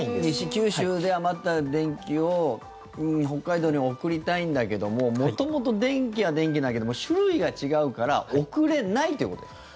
西、九州で余った電気を北海道に送りたいんだけども元々、電気は電気だけども種類が違うから送れないということですか？